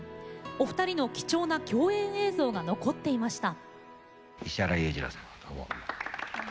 お二人の貴重な共演映像が残っていました。